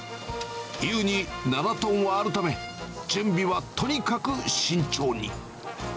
ゆうに７トンはあるため、準備はとにかく慎重に。